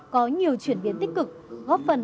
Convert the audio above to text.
có nhiều chuyển biến tích cực góp phần